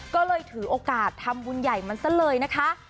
ก็เลยถือโอกาสทำบุญใหญ่มันซะเลยนะคะ